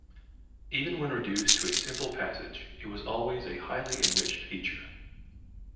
Even when reduced to a simple passage it was always a highly enriched feature.